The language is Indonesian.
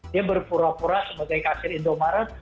dia berpura pura sebagai kasir indomaret